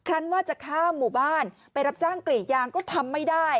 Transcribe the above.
รั้นว่าจะข้ามหมู่บ้านไปรับจ้างกรีดยางก็ทำไม่ได้